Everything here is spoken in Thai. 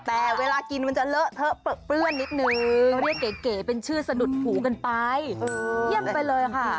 แต่เวลากินมันจะเลอะเทอะเปื้อนนิดนึงเรียกเก๋เป็นชื่อสะดุดหูกันไปเยี่ยมไปเลยค่ะ